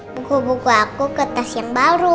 buku buku aku ke tes yang baru